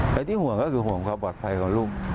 และที่ห่วงก็คือห่วงความปลอดภัยของลูก